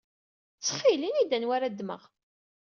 Ttxil ini-iyi-d anwa ara ddmeɣ.